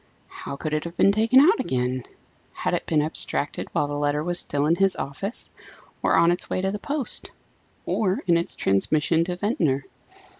How could it have been taken out again? Had it been abstracted while the letter was still in his office? or on its way to the post? or in its transmission to Ventnor?